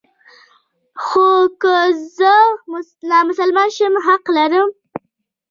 خو که زه نامسلمان شم حق لرم.